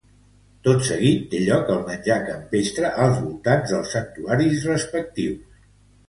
Tot seguit té lloc el menjar campestre als voltants dels santuaris respectius.